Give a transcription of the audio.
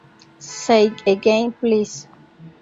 Say again, please.